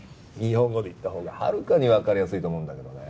日本語で言った方がはるかに分かりやすいと思うんだけどね。